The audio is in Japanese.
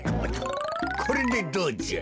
これでどうじゃ。